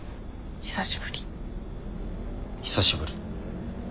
久しぶり。